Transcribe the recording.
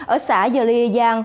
ở xã giờ lê giang